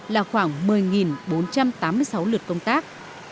là khoảng một mươi bốn trăm tám mươi sáu lượt công tác